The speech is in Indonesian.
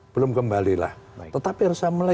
belum kembali lah tetapi harus saya mulai